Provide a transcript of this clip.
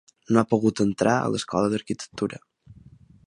No ha pogut entrar a l'Escola d'Arquitectura.